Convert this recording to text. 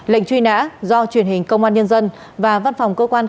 lệnh truy nã do truyền hình công an nhân dân và văn phòng công an nhân dân